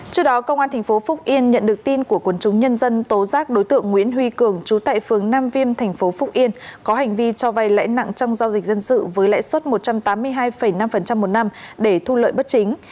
trước đó công an tp phúc yên nhận được tin của quân chúng nhân dân tố giác đối tượng nguyễn huy cường trú tại phường nam viêm thành phố phúc yên có hành vi cho vay lãi nặng trong giao dịch dân sự với lãi suất một trăm tám mươi hai năm một năm để thu lợi bất chính